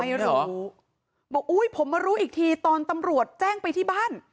ไม่รู้บอกอุ้ยผมมารู้อีกทีตอนตำรวจแจ้งไปที่บ้าน